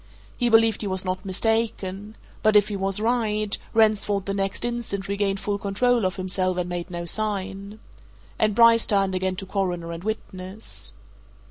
He believed he was not mistaken but if he was right, Ransford the next instant regained full control of himself and made no sign. And Bryce turned again to Coroner and witness.